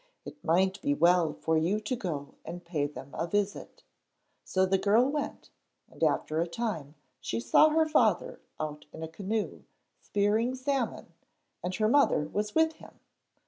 It might be well for you to go and pay them a visit.' So the girl went, and after a time she saw her father out in a canoe spearing salmon, and her mother was with him.